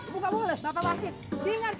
bapak wasit dengar kita mau bicara